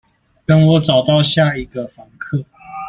等我找到下一個房客